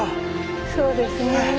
そうですね。